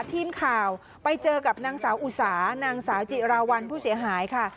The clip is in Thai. ทีมข่าวไปเจอกับนางสาวอุสานางสาวจิราวัลผู้เสียหายค่ะ